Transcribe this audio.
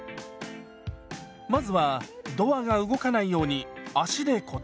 まずはドアが動かないように足で固定します。